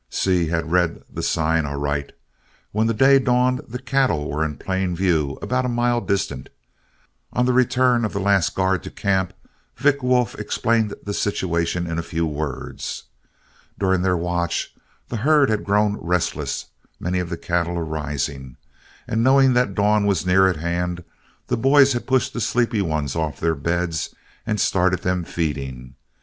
Seay had read the sign aright. When day dawned the cattle were in plain view about a mile distant. On the return of the last guard to camp, Vick Wolf explained the situation in a few words. During their watch the herd had grown restless, many of the cattle arising; and knowing that dawn was near at hand, the boys had pushed the sleepy ones off their beds and started them feeding.